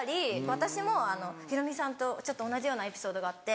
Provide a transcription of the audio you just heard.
私もヒロミさんとちょっと同じようなエピソードがあって。